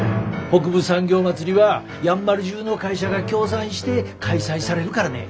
北部産業まつりはやんばる中の会社が協賛して開催されるからね。